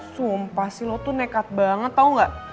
sumpah sih lo tuh nekat banget tau gak